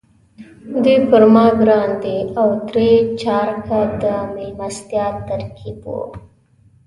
دوی پر ما ګران دي او درې چارکه د میلمستیا ترکیب وو.